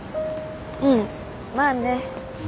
うんまあね。